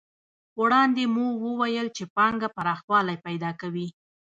وړاندې مو وویل چې پانګه پراخوالی پیدا کوي